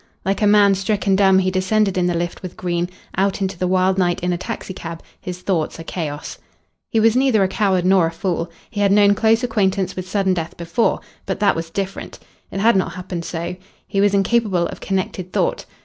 Like a man stricken dumb he descended in the lift with Green, out into the wild night in a taxicab, his thoughts a chaos. He was neither a coward nor a fool. He had known close acquaintance with sudden death before. But that was different. It had not happened so. He was incapable of connected thought.